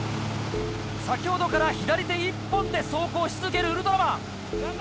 先ほどから左手１本で走行し続けるウルトラマン。